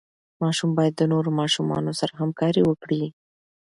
ماشوم باید د نورو ماشومانو سره همکاري وکړي.